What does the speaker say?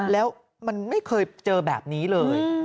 แล้วมันไม่เคยเจอแบบนี้เลย